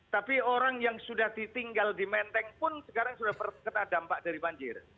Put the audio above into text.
tapi orang yang sudah ditinggal di menteng pun sekarang sudah terkena dampak dari banjir